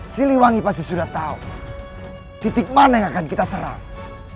siliwangi pasti sudah tahu titik mana yang akan kita serap